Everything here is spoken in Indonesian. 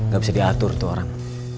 gak bisa diatur tuh orang